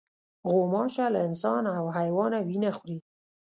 غوماشه له انسان او حیوانه وینه خوري.